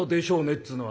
っつうのは。